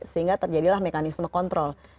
sehingga terjadilah mekanisme kontrol